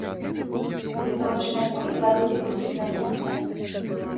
Вінтовачныя кулі кладуць іх усіх на месцы.